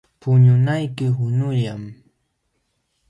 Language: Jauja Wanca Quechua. Puñunayki qunullam.